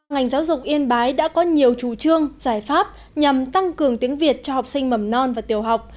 ngành giáo dục yên bái đã có nhiều chủ trương giải pháp nhằm tăng cường tiếng việt cho học sinh mầm non và tiểu học